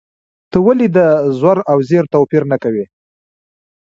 ته ولې د زور او زېر توپیر نه کوې؟